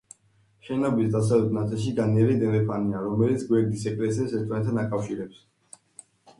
შენობის დასავლეთ ნაწილში განიერი დერეფანია, რომელიც გვერდის ეკლესიებს ერთმანეთთან აკავშირებს.